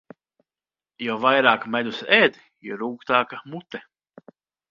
Jo vairāk medus ēd, jo rūgtāka mute.